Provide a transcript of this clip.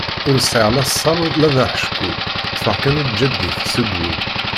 Ur sɛiɣ la sser la d aḥeckul, ṭfeɣ kan di tjaddit seg wul.